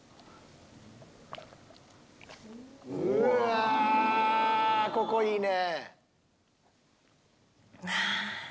うわここいいね！